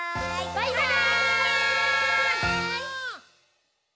「バイバーイ！」